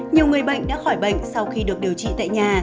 nhiều người bệnh đã khỏi bệnh sau khi được điều trị tại nhà